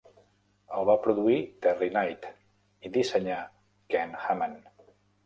El va produir Terry Knight i dissenyar Ken Hamann.